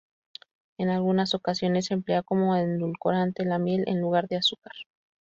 En algunas ocasiones se emplea como edulcorante la miel en lugar de azúcar.